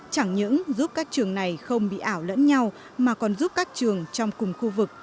chẳng những giúp các trường này không bị ảo lẫn nhau mà còn giúp các trường trong cùng khu vực